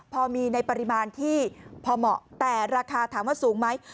พอมีในปริมาณที่พอเหมาะแต่ราคาถามว่าสูงไหม